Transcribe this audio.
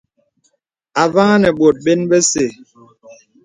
Avàŋhā nə bòt bə̀n bese.